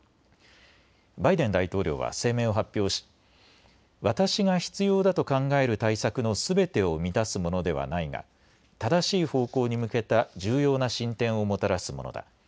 バイデン大統領は声明を発表し、私が必要だと考える対策のすべてを満たすものではないが正しい方向に向けた重要な進展をもたらすものだ。